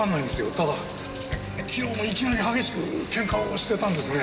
ただ昨日もいきなり激しくケンカをしてたんですね。